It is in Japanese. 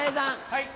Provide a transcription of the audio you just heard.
はい。